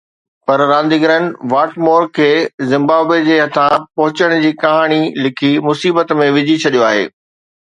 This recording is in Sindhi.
پر رانديگرن واٽمور کي زمبابوي جي هٿان پهچڻ جي ڪهاڻي لکي مصيبت ۾ وجهي ڇڏيو آهي